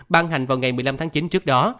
ban hành vào ngày một mươi năm tháng chín trước đó